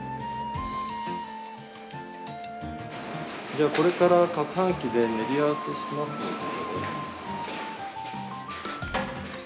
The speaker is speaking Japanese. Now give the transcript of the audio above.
じゃあこれからかくはん機で練り合わせしますので。